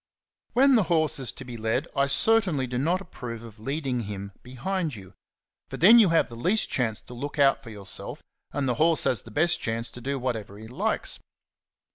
When a horse is to be led, I certainly do not approve of leading him behind you ; for then you have the least chance to look out for yourself, and the horse has the best chance to do whatever he likes.